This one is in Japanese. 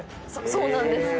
そうなんです。